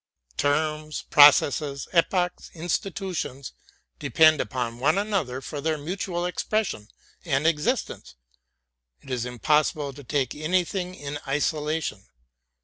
Terms, processes, epochs, institutions, depend upon one another for their meaning, expression, and exist ence; it is impossible to take anything in isolation.